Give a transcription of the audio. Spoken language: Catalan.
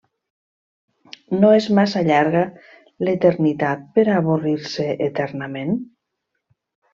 No és massa llarga l'eternitat per a avorrir-se eternament?